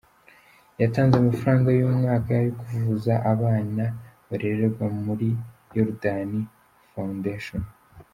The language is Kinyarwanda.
Yatanze amafaranga y’umwaka yo kuvuza abana barererwa muri yorodani Fawundeshoni.